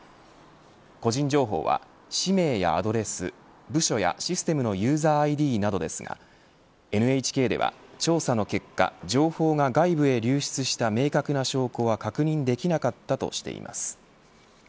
個人情報は、氏名やアドレス部署やシステムのユーザーＩＤなどですがＮＨＫでは調査の結果情報が外部へ流出した明確な証拠は確認できなかったとしています。